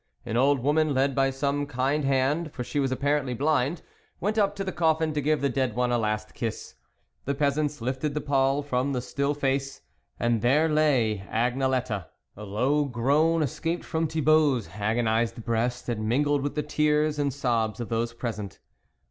An old woman, led by some kind hand, for she was apparently blind, went up to the coffin to give the dead one a last kiss; the peasants lifted the pall from the still face, and there lay Agnelette. A low groan escaped from Thibault's agonised breast, and mingled with the tears and sobs of those present.